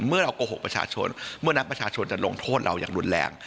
เมื่อเราโกหกประชาชนเมื่อนักประชาชนจะลงโทษเราอย่างรุนแรง